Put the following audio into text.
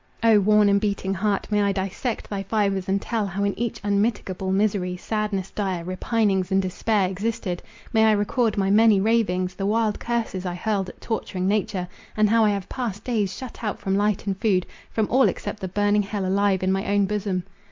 O, worn and beating heart, may I dissect thy fibres, and tell how in each unmitigable misery, sadness dire, repinings, and despair, existed? May I record my many ravings—the wild curses I hurled at torturing nature—and how I have passed days shut out from light and food—from all except the burning hell alive in my own bosom?